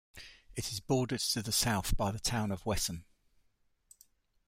It is bordered to the south by the town of Wesson.